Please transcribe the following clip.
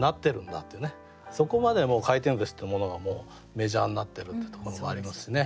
そこまでもう回転寿司っていうものがメジャーになってるってところもありますしね。